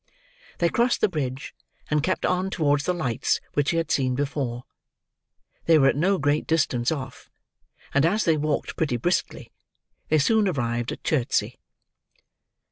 They crossed the bridge, and kept on towards the lights which he had seen before. They were at no great distance off; and, as they walked pretty briskly, they soon arrived at Chertsey.